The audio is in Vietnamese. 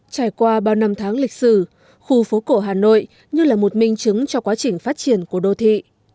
trải qua bao năm tháng lịch sử khu phố cổ hà nội như là một minh chứng cho quá trình phát triển của đô thị